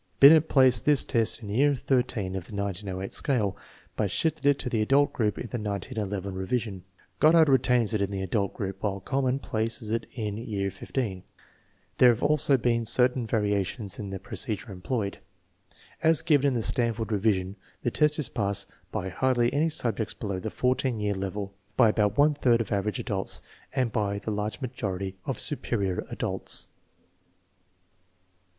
Binet placed this test in year XIII of the 1908 scale, but shifted it to the adult group in the 1911 revision. Goddard retains it in the adult group, while Kuhlmann places it in year XV. There have also been certain variations in the procedure employed. As given in the Stanford revision the test is passed by hardly any subjects below the 14 year level, but by about one third of " average adults " and by the large majority of superior adults."